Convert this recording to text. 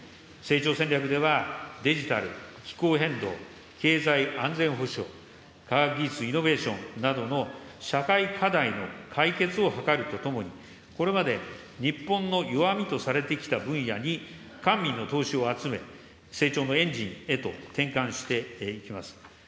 成長戦略ではデジタル、気候変動、経済安全保障、科学技術・イノベーションなどの社会課題の解決を図るとともにこれまで日本の弱みとされてきた分野に官民の投資を集め、成長のエンジンへと転換していきます。